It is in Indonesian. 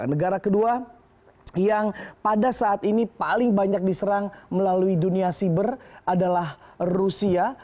negara kedua yang pada saat ini paling banyak diserang melalui dunia siber adalah rusia